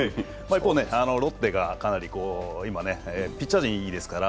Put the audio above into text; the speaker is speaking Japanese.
ロッテがかなり今、ピッチャー陣がいいですから。